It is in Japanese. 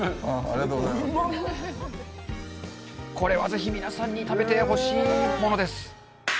これは是非皆さんに食べてほしいものです